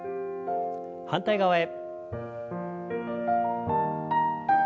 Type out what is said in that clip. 反対側へ。